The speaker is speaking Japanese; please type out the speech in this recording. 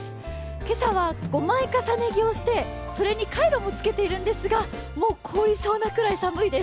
今朝は５枚重ね着をしてそれにカイロも着けているんですがもう凍りそうなくらい寒いです。